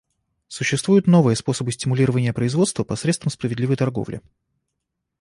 Существуют новые способы стимулирования производства посредством справедливой торговли.